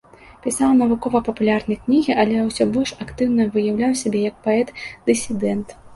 Пісаў навукова-папулярныя кнігі, але ўсё больш актыўна выяўляў сябе як паэт-дысідэнт.